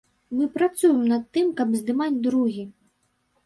Мы працуем над тым, каб здымаць другі.